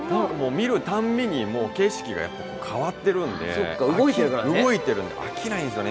見るたんびに景色が変わってるんで、動いてるんで、飽きないんですよね